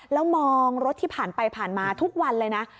แล้วมองรถที่ผ่านไปผ่านมาทุกวันเลยนะ